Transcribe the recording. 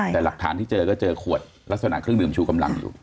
แต่หลักฐานที่เจอก็เจอขวดลักษณะเครื่องดื่มชูกำลังอยู่